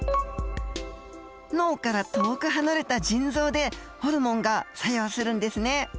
脳から遠く離れた腎臓でホルモンが作用するんですね。